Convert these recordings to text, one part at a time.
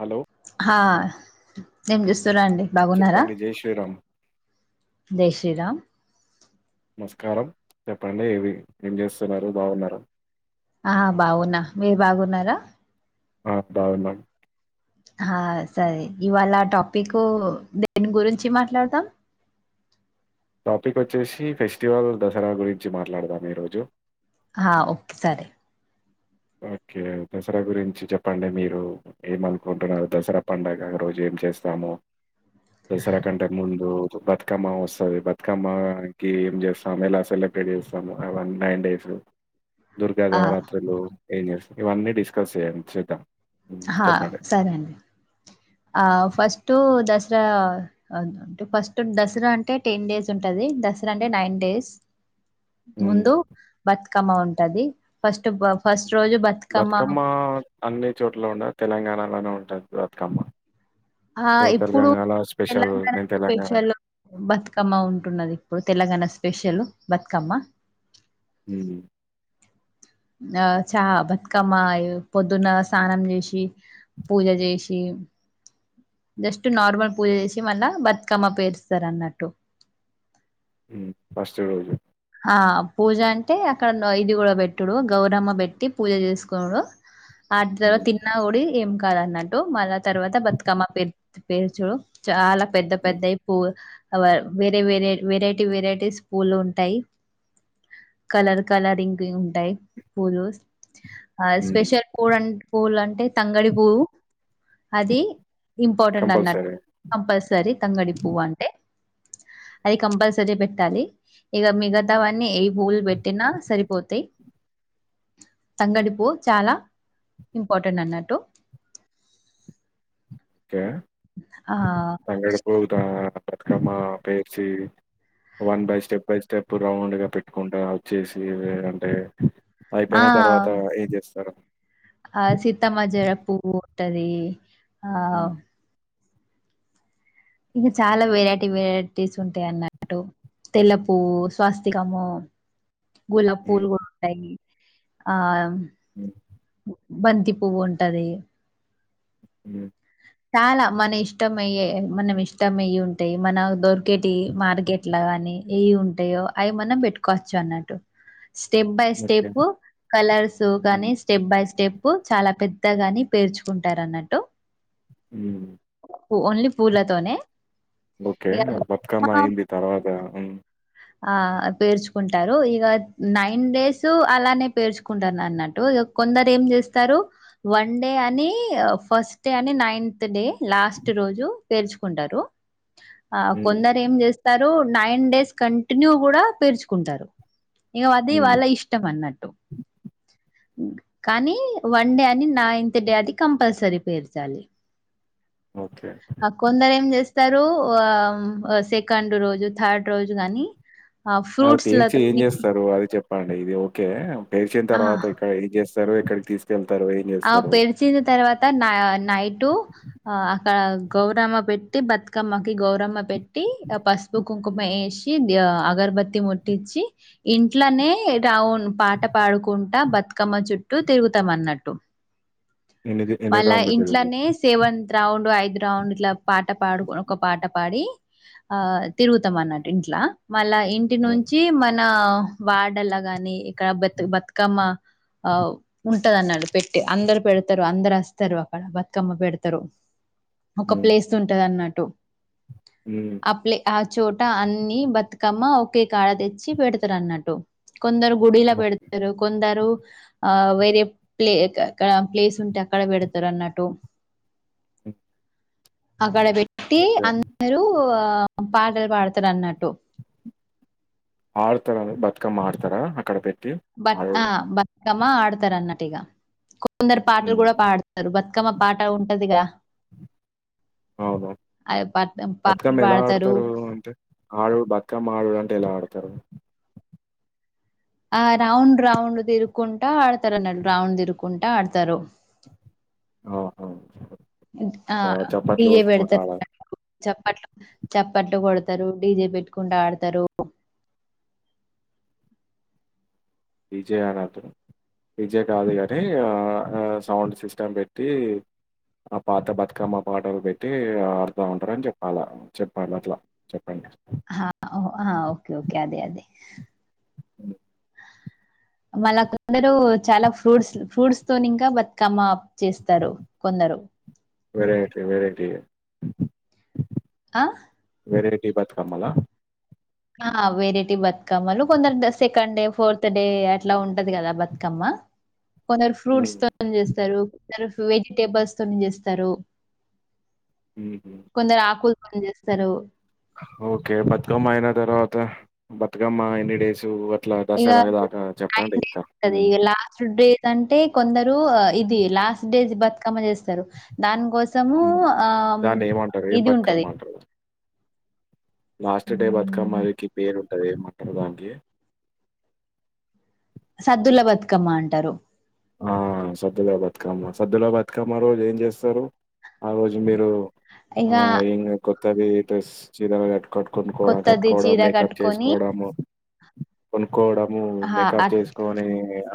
Hello హా నేను చూస్తురా అండి బాగున్నారా చెప్పండి జై శ్రీరామ్ జై శ్రీరామ్ నమస్కారం పండుగ ఏవి ఏం చేస్తున్నారు బాగున్నార ఆ బాగున్నా మీరు బాగున్నారా ఆ బాగున్నా ఆ సరే ఇవాళ ఆ టాపిక్ దేని గురించి మాట్లాడదాం టాపిక్ వచ్చేసి ఫెస్టివల్ దసరా గురించి మాట్లాడదాం ఈరోజు హా ఓకే సరే ఓకే దసరా గురించి చెప్పండి మీరు ఏమ అనుకుంటున్నారు దసరా పండుగ రోజు చేస్తాము దసరా కంటే ముందు రోజు బతుకమ్మ వస్తది బతుకమ్మకిి ఏం చేస్తా మెలా సెలె ఒక దస నైన్ డేస్ దుర్గా ఆ దేవరాత్రులు ఏం చే ఇవన్నీ డిస్కస్ చెయ్యండి చేద్దాం ఉమ్, హా చెప్పండి సరే అండి ఆ ఫస్ట్ దసరా ఫస్ట్ దసరా అంటే టెన్ డేస్ ఉంటది దసరా అంటే నైన్ డేస్ ఉమ్, ముందు బతుకమ్మ ఉంటది ఫస్ట్ ఫస్ట్ బతుకమ్మ అన్ని చోట్ల ఉండదు తెలంగాణలోనే ఉంటది బతుకమ్మ ఆ సో ఇప్పుడు తెలంగాణలో స్పెషల్ తెలంగాణ నేను స్పష తెలంగాణ లో బతుకమ్మ ఉంటున్నది ఇప్పుడు తెలంగాణ స్పెషల్ బతుకమ్మ హ ఆ చా బతుకమ్మ ఇగ పొద్దున స్నానం చేసి పూజ చేసి జస్ట్ నార్మల్ పూజ చేసి మళ్ళా బతుకమ్మ పేరుస్తారు అన్నట్టు ఫస్ట్ రోజు ఆ పూజ అంటే అక్కడ నా ఇది కూడా పెట్టుడు గౌరమ్మ పెట్టి పూజ చేసుకొనుడు ఆ తర్వాత హ్మ్ తిన్నా కూడి ఏం కాదు అన్నట్టు మళ్ళా తర్వాత బతుకమ్మ పేరు పేరుచుడు చాలా పెద్ద పెద్దయి పూ వేరే వేరే వెరైటీ వెరైటీస్ పూలు ఉంటాయి కలర్ కలరింగ్ ఉంటాయి పూలుస్ ఆ హ్మ్ స్పెషల్ కూల్ అ పూలు అంటే తంగడి పూ అది హ్మ్ ఇంపార్టెంట్ అన్నట్టు కంపల్సరీ కంపల్సరీ తంగడి పువ్వు అంటే అయి కంపల్సరీ పెట్టాలి ఇక మీగ త్తవన్నీ ఏవి పూలు పెట్టినా సరిపోతాయి తంగడిపు చాలా ఇంపార్టెంట్ అన్నట్టు ఓకే ఆ తంగడు పువ్వు బతుకమ్మా పేర్చి one by step by step round గా పెట్టుకుంటా వచ్చేసి అంటే ఆ అయిపోయిన తర్వాత ఏం చేస్తారు ఆ సీతామజడ పువ్వు ఉంటది ఆ హ్మ్ ఇగ చాలా వెరైటీ వెరైటీస్ ఉంటాయి అన్నట్టు తెల్లపు స్వాస్తికము గులాబ హ్మ్ పూలు కూడా ఉంటాయి ఆ అ బంతి పువ్వు ఉంటది అ చాలా మన ఇష్టం అయ్యే మనం ఇష్టం అయ్య ఉంటాయి మన దొర్కేటి మార్కెట్ లాగాని కానీ ఏవి ఉంటాయో అవి మనం పెట్టుకోవచ్చు అన్నట్టు step by okay step colours కానీ హ్మ్ స్టెప్ బై స్టెప్ ప్పు చాలా పెద్దగాని పేర్చుకుంటారు అన్నట్టు అ ఓన్లీ పూలతోనే ఓకే ఇక బతుకమ్మ ఆ! అయిింది తర్వాత ఆ పేర్చుకుంటారు ఇక నైన్ డేస్ అలానే పేర్చుకుంటను అన్నట్టు కొందరు ఏం చేస్తారు వన్ డే అని ఫస్ట్ డే అని నైన్త్ డే లాస్ట్ రోజు పేల్చుకుంటారు ఆ హ్మ్ కొందరు ఏం చేస్తారు నైన్ డేస్ కంటిన్యూ కూడా పేరుచుకుంటారు ఇంక అది హ్మ్ వాళ్ళ ఇష్టం అన్నట్టు కానీ వన్ డే అని నైన్త్ డే అది కంపల్సరీ పేర్చాలి ఓకే ఆ కొందరు ఏం చేస్తారు ఆ సెకండ్ రోజు థర్డ్ రోజు గానీ అది పేరుచి ఏం చేస్తారు అది చెప్ప పండి ఇది ఓకే పేర్చిన ఆ తర్వాత ఇక్కడ ఏం చేస్తారు ఎక్కకి తీసుకెళ్ ఆ పెడ్సిన తర్వాత నైటు ఆ అక్కడ గౌరమ్మ పెట్టి బతుకమ్మకి గౌరమ్మ పెట్టి ట్టి ఆ పసుపు కుంకుమ వేసి అగరబత్తి ముట్టించి ఇంట్లోనే రాౌన్ పాట పాడుకుంటా బతుకమ్మ చుట్టూ తిరుగుతాం అన్నట్టు ఎన్నిది ఎన్ని మళ్ళా రౌండ్‌లో తిరుగుతారు? ఇంట్లోనే సెవెంత రౌండ్ ఐదు రౌండ్ ఇట్లా పాట పాడు ఒక పాట పాడి ఆ తిరుగుతాం అన్నట్టు ఇంట్లా మళ్ళా ఇంటి హ్మ్. నుంచి మన వాడల్లా గాని ఇక్కడ బత బతుకమ్మ ఆ ఉంటదని అడు పెట్టి అందరు పెడతారు అందరు వస్తారు అక్కడ బతుకమ్మ పెడతారు ఒక హ్మ్. ప్లేస్ ఉంటది అన్నట్టు హ్మ్. ఆ ప్లే ఆ చోట అన్ని బతుకమ్మ ఒకే కాడ తెచ్చి పెడతారు అన్నట్టు కొందరు గుడిలా ఓకే. పెడతారు కొందరు ఆ వేరే ప్లే ఎక్కడ ప్లేస్ ఉంటే అక్కడ పెడతారు అన్నట్టు హ్మ్. ఆక్కడ బట్ ప్రతి ఓకే. అందరూ ఆ పాటలు పాడతారు అన్నట్టు ఆడతారా బతుకమ్ ఆడతారా అక్కడ పెట్ బ బతుకమ్మ ఆడతారు అన్నట్టు ఇక కొందరు పాటలు హ్మ్. కూడా పాడతారు బతుకమ్ అక్కమ పాట ఉంటదిగా అవుా ఆ పాట పాటలు బతుకమ్మ ఎలా పాడతారు ఆడతారు అంటే ఆడు బతుకమ్మ ఆడు అంటే ఎలా ఆడతారు ఆ రౌండ్ రౌండ్ ఇరుకుంటా ఆడతార నల్ రౌండ్ ఇరుకుంటా ఆడతారు ఆహా! ఆ చప్పట్లు డిజే కొట్టుకుంటూ పెడుతు ఆడాలి. చెప్పట్లు చప్పట్లు కొడతారు డీజే పెట్టుకుంటూ ఆడతారు విజయాన అత్రం విజయ కాదు కానీ సౌండ్ సిస్టమ్ పెట్టి ఆ పాత బతుకమ్మ పాటలు పెట్టి ఆడుతా ఉంటారని చెప్పాలా చెప్పాలి అట్లా చెప్పండి ఓకే ఓకే అదే అదే అ మళ్ళ కొందరు చాలా ఫ్రూట్స్ ఫ్రూట్స్ తో ఇంకా బతుకమ్మ చేస్తారు కొందరు వెరాయిటీ వెరాయిటీ ఆ వెరాయటీ బ మ ఆ వెరైటీ బతుకమ్మలు కొందరు సెకండ్ డే ఫోర్త్ డే అట్లా ఉంట ంట కదా బతుకమ్మ కొందరు హ్మ్. ఫ్రూట్స్ తో చేస్తారు కొరు వెిటబుల్స్ తస్త హుహు. కొరుకు పని చేస్తారు ఓకే బతుకమ్మ అయిన తర్వాత బతుకమ్మ ఎన్ని డేస్ ఇగా నైన్ డేస్ ఉంటది హ్మ్. లాస్ట్ డేస్ అంటే కొందరు ఇది లాస్ట్ డే బతుకమ్మ చేస్త దాని కోసము హ్మ్. ఆ దాన్నేమంటారు? ఏం ఇది బతుకమ్మ ఉంటది. అంటారు? లాస్ట్ డే హ్మ్. బతుకమ్మకి పేరు ఉంటది ఎంపేటిరు దానికి సద్దుల బతుకమ్మ అంటారు. ఆ సద్దులా బతుకమ్మ సద్దు లా బతుకమ్మ రోజు ఏం చేస్తారు, ఆ రోజు మీరు ఇగ ఆ ఇంగ్ కొత్తది చ కొన్నుకోవడం, కొత్తది కట్టుకోవడం చీర మేకప్ కట్టుకొని చేసుకోవడము, కోవడము ఆహ్, మేకప్ అట్ చేసుకొని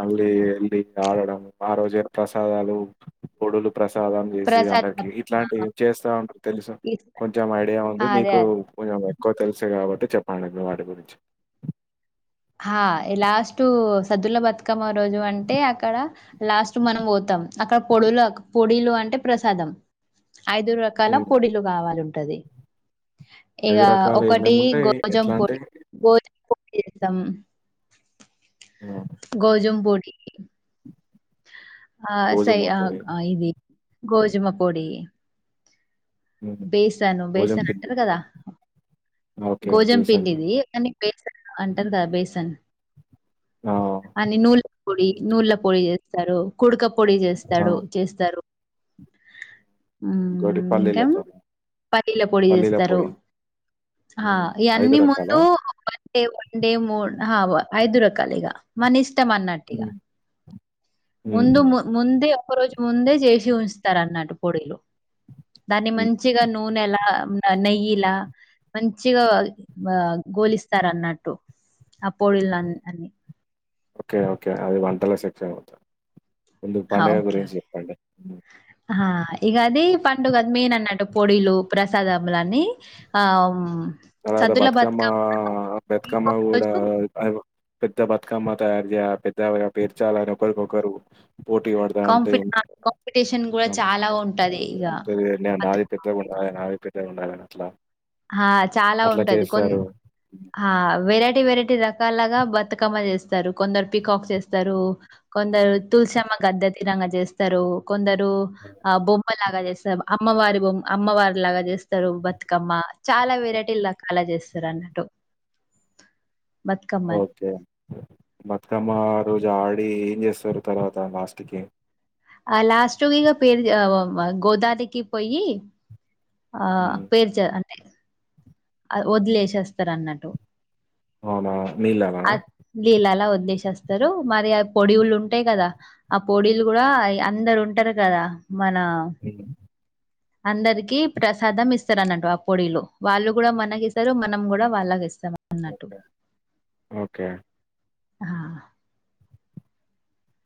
అల్లీ వెళ్ళలి ఆడడం ఆ రోజే ప్రసాదాలు పొడులు ప్రసాదం చేసి ప్రసాదం వాళ్ళకి ఆ! ఇట్లాంటివి చేస్తా ఉంట తెలుసు, ఇస్తారు. కొంచెం ఐడియా ఉంది ఆ! అదే. మీకు అదే. కొంచె ఇంకో తెలుసు కాబట్టి చెప్పండి మీ వాటి గురించి హా లాస్ట్ సద్దుల బతుకమ్మ, రోజు అంటే అక్కడ లాస్ట్ మనం పోతాం అక్కడ పొడులు పొడిలు అ అంటే ప్రసాదం ఐదు రకాల హ్మ్. పొడిలు కావాలంటది. ఇక రకాలు ఒకటి ఏమేముంటాయి? గౌజం పొడి ఎట్లాంటియి? గౌజం పొడి చేస్తాం, ఆ! గౌజం పొడి ఆ సై గోధుమ పొడి, ఆ ఇది గోజుమ పొడి హ్మ్. బేసన్ గోధుమ బేసన్ పిండి అంటారు కదా పొడి. ఓకే. గోజం బేసన్ పిండిది అని బేసన్ అంటారు కదా బేసన్, ఆ! అన్ని నువ్వులా పొడి, నువ్వులా పోడి చే స్తారు కూడక పొడి ఆ! చేస్తాడు చేస్తారు. ఇంకాకోటి హ్మ్. పల్లిల ఇంకా తోన్ని పల్లీల పొడి చేస్తారు. ఆ హ్మ్. ఇన్ని రకాలా? ముందు వన్ డి వన్ డే మూడు ఆ ఐదు రకాలు ఇగా మన ఇష్టం అన్నట్టు ఇగా హ్మ్. ముందు హుహు. ము ముందే ఒక రోజు ముందే చేసి ఉంచుతారు అన్నట్టు పొడిలు, దాన్ని హ్మ్. మంచిగా నూనెలా నెయ్యిలా మంచిగా గోలిస్తారు అన్నట్టు అపోడిల హ్మ్. అన్నీ ఓకే ఓకే అది వంటల సెక్షన్ మొత్తం ముందు హ పండగ ఒకే గురించి చెప్పండి. హ్మ్. హ అది గాది పండు గా మెయిన్ అన్నట్టు పొడలు ప్రసాదములన్ని, అం ఎవరి బతుకమ్మ, బతుకమ్మ ఇంకొక కూడా రోజు కు పెద్ద బతుకమ్మ తయారు చేయాలి పెద్ద పేర్చాలని ఒకరికొకరు, పోటీ పడుత ఉంటే కాంపిట్ ఆ కాంపిటీషన్ గూడా చాలా ఉంటది ఇగ ఇటు నాది బతుకమ్మ పెద్ద గా ఉండాలి, ఆ నాది పెద్ద గా ఉండాలని అట్లా, ఆ చాలా అట్లా ఉంటది కొన్ చేస్తారు. అ వెరైటీ వెరై రకాలుగా బతుకమ్మ చేస్తారు కొందరు పికాక్స్ వేస్తారు, కొందరు హ్మ్. తులసమ్మ, గద్ద తీరంగా చేస్తారు, కొందరు హ్మ్. ఆ బొమ్మ లాగా వేస్తారు. అమ్మవారి బొమ్ అమ్మవారి లాగా చేస్తారు, బతుకమ్మ చాలా వెరైటీల రకాల చేస్తారు. అన్నట్టు బతుకమ్మలు. ఓకే బతుకమ్మ మా ఆ రోజు ఆడి ఏం చేస్తారు. తర్వాత లాస్ట్ కి ఆ లాస్ట్ ఇగా పేరు గోదాదికి పోయి, ఆ హ్మ్. పేరుచ అంటే వదిలేసి వస్తారు, అన్నట్టు అవునా? నీళ్ళనా? అది లీలాల వలేేశాస్తారు మరి పొడివులు ఉంటాయి కదా ఆ పొడలు కూడా అందరు ఉంటారు కదా మన హ్మ్. అందరికి ప్రసాదం ఇస్తారు అన్నట్టు ఆ పొడలు వాళ్ళు కూడా మనకి ఇస్తారు మనం కూడా వాళ్ళకి ఇస్తాం వట్టు ఓకే. ఓకే.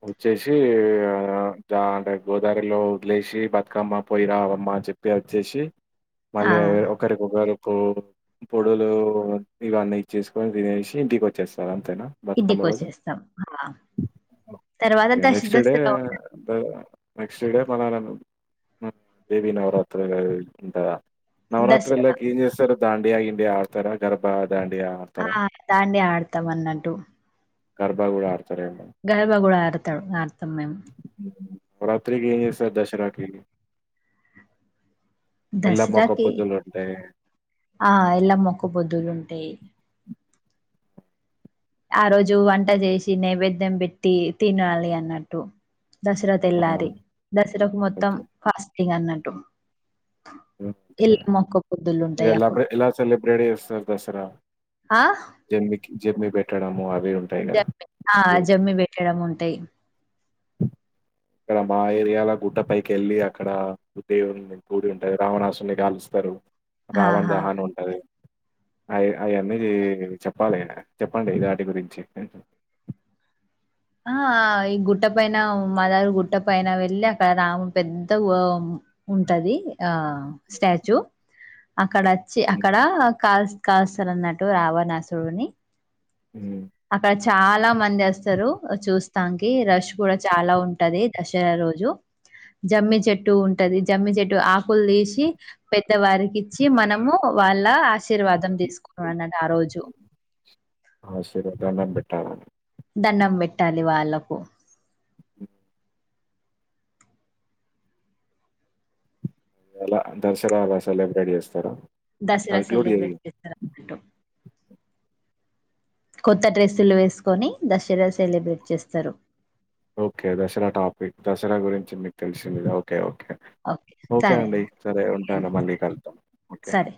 వచ్చేసి ఆ చ అంటే గోదారిలో వదిలేసి బతుకమ్మ పొయిరావమ్మ చెప్పి వచ్చేసి ఆ మళ్ళీ ఒకరికొకరు పొడులు ఇవన్నీ ఇచ్చేసుకొని తినేసి ఇంటికి వచ్చేస్తారు అనా బతకామ ఇంటికి రాజు వచ్చేస్తాం ఆ తర్వాత ఓకే దశ next day Dasara next day మన న దేవి నవరాత్రులు ఉంటదా. దసరా నవరాత్రులకి ఏంచేస్తారు దాండియా, గిండియా ఆడతార గర్భ ఆ దాండే ఆడతాం అన్నట్టు గర్భ కూడా ఆడతార గర్భ కూడా ఆడతాడు ఆ అర్తం మేము రాత్రికిజస దశరా క దసరాకి ఆ ఎలా మొక్కబొదులు ఉంటాయి ఆ రోజు వంట చేసి నైవేద్యం పెట్టి తినాలి అన్నట్టు దసరా ఆ! తెళ్లాలి దసరాకు మొత్తం ఓకే. ఫాస్టింగ్ అన్నట్టు ఓకే ఎల్లమ్మ ఒక్క పొద్దులు ఉంటాయి ఎలా అప్పుడు ఎలా సెలబ్రేటీ ఇస్తారు దసరా ఆ జ మీ పెెట్టాడము ఆ ఆ జమ్మి పెట్టడం ఉంటాయి ఇక్కడ మా ఏరియాాల గుడ్డ పైకి వెళ్ళి అక్కడ దేవుని కూడి ఉంటాారు రావణాసుని కాగాలుస్తారు రావన్ ఆహా దహాన్ ఉంటది అ అవి అన్నది చెప్పాలి చెప్పండి వాాటి గురించి ఆ ఈ గుట్ట పైన మాదారి గుట్ట పైన వెళ్ళి అక్కడ రాము పెద్ద ఉంటది ఆ స్టాచ్యూ అక్కడ వచ్చి హ్మ్. అక్కడ కాల్ కాల్స్తలు అన్నట్టు రావణాసుడుని హ్మ్. అక్కడ చాలా మంది వస్తారు చూస్తానికి రష్ కూడా చాలా ఉంటది దసరా రోజు జమ్మి చెట్టు ఉంటది జమ్మి చెట్టు ఆకులు తీసి పెద్దవారికి ఇచ్చి మనము వాళ్ళ ఆశీర్వాదం తీసుకుని అన్నది ఆ రోజు అ దండం పెట్టాలి వాళ్ళకు ఎలా దశరా అలా సెలబ్రేట్ చేస్తారా దసరా కంక్లూడ్ చెయ్యి. సెలిబ్రిటీస్తంట కొత్త డ్రెస్సులు వేసుకొని దసరా సెలబ్రేట్ చేస్తారు ఓకే దసరా టాపిక్ దసరా గురించి మీకు తెలిసింది ఓకే ఓకే ఓకే ఓకే అండి సరే ఓకే ఉంటాండి అండి. మళ్ళీ సరే. కళ్తాం ఓకే సరే.